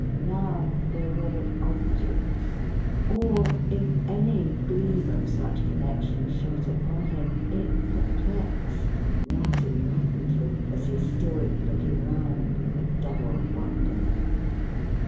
Now, they were but objects ; or, if any gleam of such connexion shot upon him, it perplexed, and not enlightened him, as he stood looking round with a dull wonder.